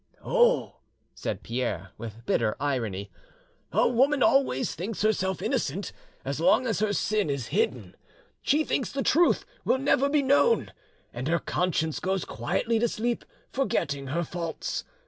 "Oh!" said Pierre, with bitter irony, "a woman always thinks herself innocent as long as her sin is hidden; she thinks the truth will never be known, and her conscience goes quietly to sleep, forgetting her faults.